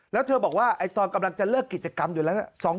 แล้วเธอบอกว่าตอนกำลังจะเลิกกิจกรรมอยู่แล้วนะ